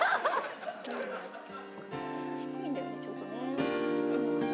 低いんだよねちょっとね。